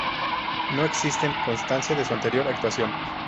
No existen constancia de su anterior actuación.